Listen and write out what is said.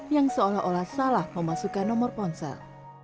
yang seolah olah salah memasukkan nomor ponsel